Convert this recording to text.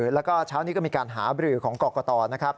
แล้วก็เช้านี้ก็มีการหาบรือของกรกตนะครับ